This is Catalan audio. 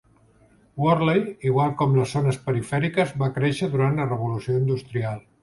Wortley, igual com les zones perifèriques, va créixer durant la revolució industrial.